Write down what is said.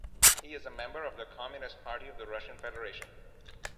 He is a member of the Communist Party of the Russian Federation.